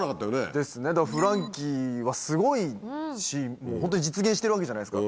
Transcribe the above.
ですねフランキーはすごいしホントに実現してるわけじゃないですか。